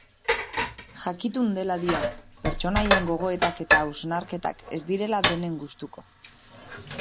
Jakitun dela dio, pertsonaien gogoetak eta hausnarketak ez direla denen gustuko.